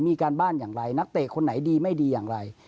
มีการบ้านอย่างไรนักเตะคนไหนดีไม่ดีอย่างไร